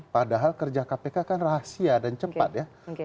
padahal kerja kpk kan rahasia dan cepat ya